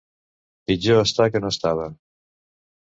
Pitjor està que no estava.